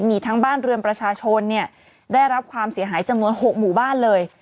มีทั้งบ้านเรือนประชาชนเนี่ยได้รับความเสียหายจำนวน๖หมู่บ้านเลย